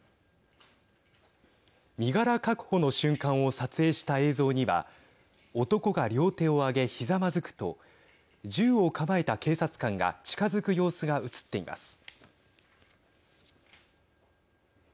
身柄確保の瞬間を撮影した映像には男が両手を上げ、ひざまずくと銃を構えた警察官が近づく様子が映っています。